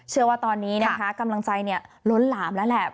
เชื่อว่าตอนนี้นะคะกำลังใจล้นหลามแล้วแหละ